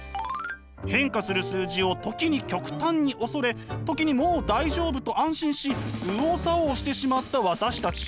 変化する数字を時に極端に恐れ時にもう大丈夫と安心し右往左往してしまった私たち。